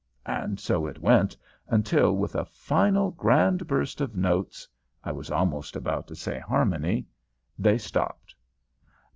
And so it went, until, with a final grand burst of notes (I was almost about to say harmony), they stopped.